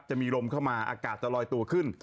จะมีลมเข้ามาอากาศจะลอยตัวขึ้น